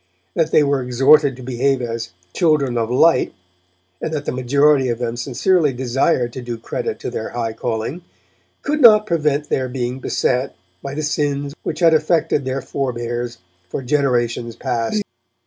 That they were exhorted to behave as 'children of light', and that the majority of them sincerely desired to do credit to their high calling, could not prevent their being beset by the sins which had affected their forebears for generations past.